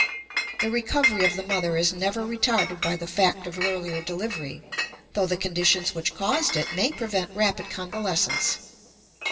The recovery of the mother is never retarded by the fact of earlier delivery, though the conditions which caused it may prevent rapid convalescence.